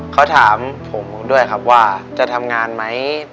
เขาถามผมด้วยครับว่าจะทำงานไหม